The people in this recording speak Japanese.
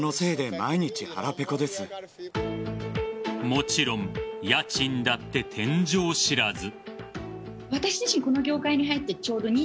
もちろん家賃だって天井知らず。